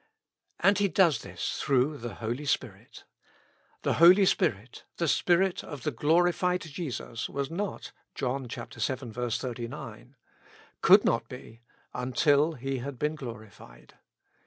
And He does this through the Holy Spirit. The Holy Spirit, the Spirit of the glorified Jesus, was not (John vii. 39), could not be, until He had been glori fied.